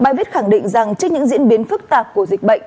bài viết khẳng định rằng trước những diễn biến phức tạp của dịch bệnh